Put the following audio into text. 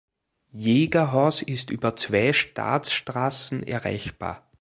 Jägerhaus ist über zwei Staatsstraßen erreichbar.